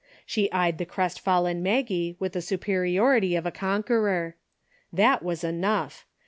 She eyed the crestfallen Maggie with the superiority of a conqueror. That was enough.